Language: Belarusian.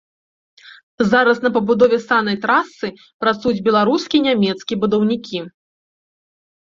Зараз на пабудове саннай трасы працуюць беларускія і нямецкія будаўнікі.